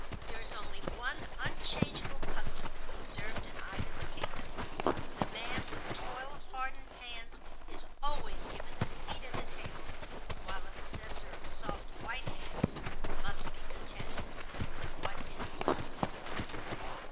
There is only one unchangeable custom observed in Ivan's kingdom: The man with toil hardened hands is always given a seat at the table, while the possessor of soft white hands must be contented with what is left.